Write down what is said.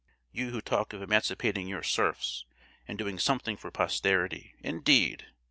You, who talk of emancipating your serfs, and 'doing something for posterity,' indeed!